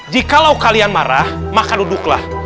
jikalau kalian marah maka duduklah